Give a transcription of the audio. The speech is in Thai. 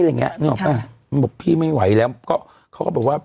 อะไรอย่างเงี้ยใช่บอกพี่ไม่ไหวแล้วก็เขาก็บอกว่า